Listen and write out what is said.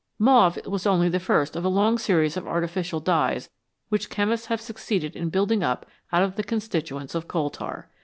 Mauve was only the first of a long series of artificial dyes which chemists have succeeded in building up out of the constituents of coal tar.